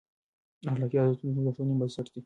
اخلاقي ارزښتونه زموږ د ټولنې بنسټ دی.